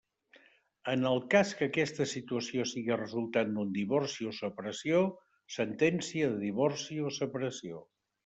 En el cas que aquesta situació sigui resultant d'un divorci o separació, sentència de divorci o separació.